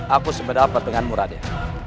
aku sepeda pertengahanmu raden